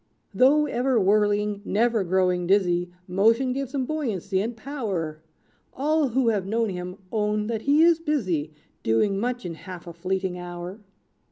"Though ever whirling, never growing dizzy; Motion gives him buoyancy and power. All who have known him own that he is busy, Doing much in half a fleeting hour.